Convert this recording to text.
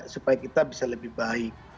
supaya kita bisa lebih baik